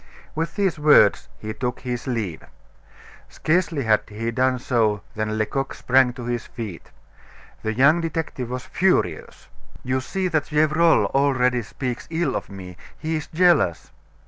With these words he took his leave. Scarcely had he done so than Lecoq sprang to his feet. The young detective was furious. "You see that Gevrol already speaks ill of me; he is jealous."